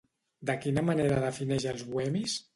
De quina manera defineix els bohemis?